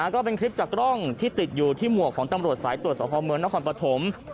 ก็เป็นคลิปจากกล้องที่ติดอยู่ที่หมวกของตำรวจสายตรวจสภาพเมืองนครปฐม